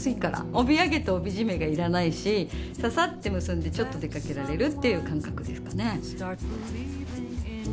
帯揚げと帯締めが要らないしささって結んでちょっと出かけられるという感覚ですかね。